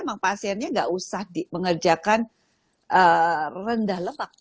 emang pasiennya tidak usah di mengerjakan rendah lemak